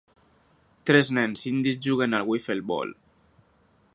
Tres nens indis juguen a 'wiffle ball'.